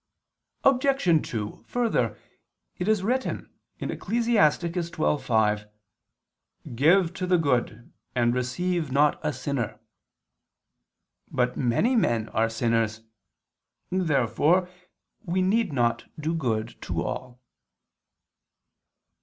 Obj. 2: Further, it is written (Ecclus. 12:5) "Give to the good, and receive not a sinner." But many men are sinners. Therefore we need not do good to all.